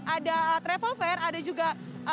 ada travel fair ada juga